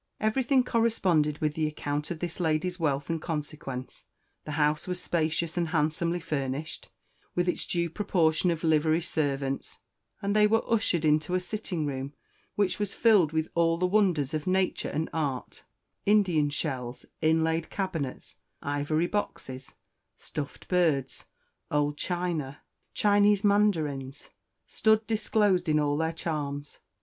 Everything corresponded with the account of this lady's wealth and consequence; the house was spacious and handsomely furnished, with its due proportion of livery servants; and they were ushered into a sitting room which was filled with all the 'wonders of nature and art, Indian shells, inlaid cabinets, ivory boxes, stuffed birds, old china, Chinese mandarins, stood disclosed in all their charms.